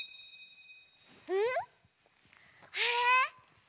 ん？あれ？